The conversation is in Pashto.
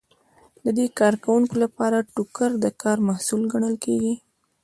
د دې کارکوونکو لپاره ټوکر د کار محصول ګڼل کیږي.